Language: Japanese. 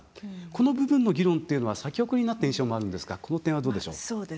この部分の議論っていうのは先送りになった印象もあるんですがこの点はどうでしょう？